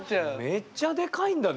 めっちゃでかいんだね。